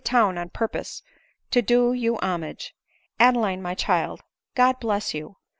town on purpose to do you homage. Adeline, my child, God bless you